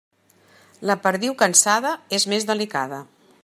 La perdiu cansada és més delicada.